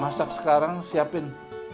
masak sekarang siapin